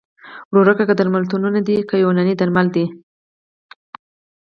وروره که درملتونونه دي که یوناني درمل دي